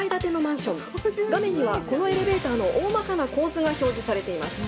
画面にはこのエレベーターのおおまかな構図が表示されています。